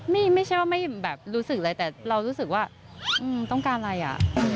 ไม่ใช่ว่าไม่แบบรู้สึกอะไรแต่เรารู้สึกว่าต้องการอะไรอ่ะ